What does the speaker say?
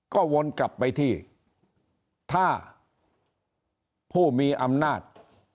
ก็วนกลับไปที่ถ้าผู้มีอำนาจ